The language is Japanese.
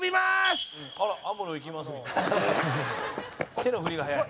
手の振りが速い。